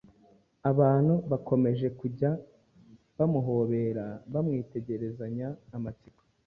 Abantu bakomeje kujya bamuhobera, bamwitegerezanya amatsiko